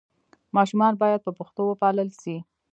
ماشومان باید په پښتو وپالل سي.